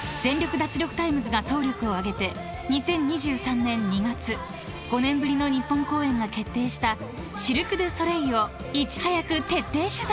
脱力タイムズ』が総力を挙げて２０２３年２月５年ぶりの日本公演が決定したシルク・ドゥ・ソレイユをいち早く徹底取材！］